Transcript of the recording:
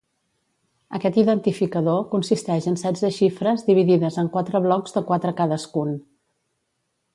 Aquest identificador consisteix en setze xifres dividides en quatre blocs de quatre cadascun.